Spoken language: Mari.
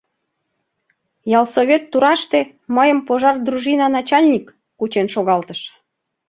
Ялсовет тураште мыйым пожар дружина начальник кучен шогалтыш.